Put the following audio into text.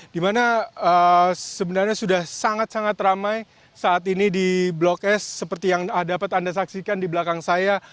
dimana sebenarnya sudah sangat sangat ramai saat ini di blok s seperti yang dapat anda saksikan di belakang saya